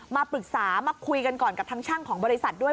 มาปรึกษามาคุยกันก่อนกับทางช่างของบริษัทด้วย